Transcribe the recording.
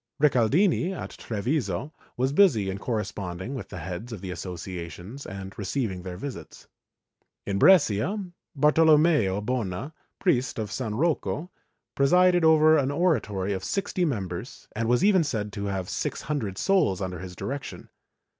Ricaldini, at Treviso, was busy in corresponding with the heads of the associa tions and receiving their visits. In Brescia, Bartolommeo Bona, priest of S. Rocco, presided over an oratory of sixty members and was even said to have six hundred souls under his direction.